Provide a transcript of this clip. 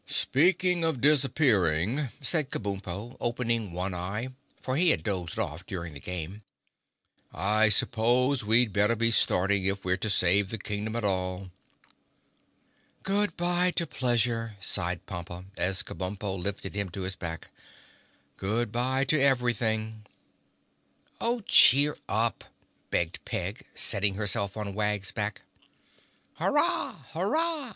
"Speaking of disappearing," said Kabumpo, opening one eye, for he had dozed off during the game, "I suppose we'd better be starting if we're to save the Kingdom at all." "Good bye to pleasure," sighed Pompa, as Kabumpo lifted him to his back. "Good bye to everything!" "Oh, cheer up," begged Peg, settling herself on Wag's back. "Hurrah! Hurrah!